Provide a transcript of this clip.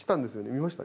見ました？